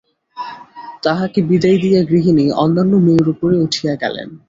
তাঁহাকে বিদায় দিয়া গৃহিণী, অন্যান্য মেয়েরা উপরে উঠিয়া গেলেন।